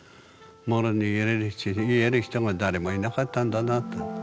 もろに言える人が誰もいなかったんだなって。